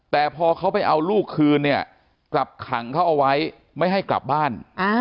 แต่พอเขาไปเอาลูกคืนเนี่ยกลับขังเขาเอาไว้ไม่ให้กลับบ้าน